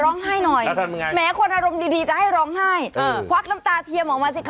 โอ้โฮนี่